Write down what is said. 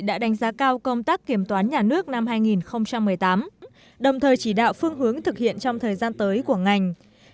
đã đánh giá cao công tác kiểm toán nhà nước năm hai nghìn một mươi tám đồng thời chỉ đạo phương hướng thực hiện trong thời gian tới của ngành